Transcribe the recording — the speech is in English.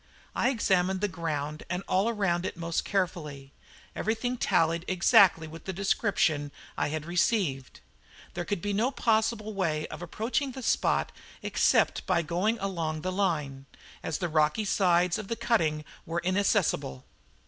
I examined the ground and all around it most carefully. Everything tallied exactly with the description I had received. There could be no possible way of approaching the spot except by going along the line, as the rocky sides of the cutting were inaccessible.